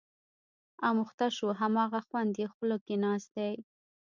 اموخته شو، هماغه خوند یې خوله کې ناست دی.